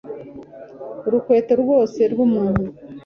Urukweto rwose rw umuntu